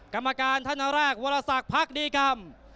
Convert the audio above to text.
กรรมการท่านแรกวรสักพักดีกรรม